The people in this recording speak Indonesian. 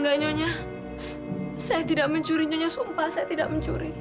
enggak nyonya saya tidak mencuri nyonya sumpah saya tidak mencuri